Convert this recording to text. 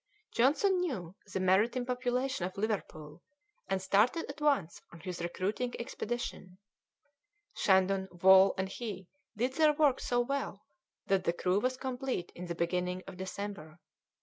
Johnson knew the maritime population of Liverpool, and started at once on his recruiting expedition. Shandon, Wall, and he did their work so well that the crew was complete in the beginning of December.